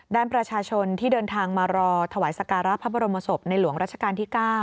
ด้านประชาชนที่เดินทางมารอถวายสการะพระบรมศพในหลวงรัชกาลที่๙